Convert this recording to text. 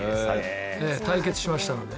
対決しましたので。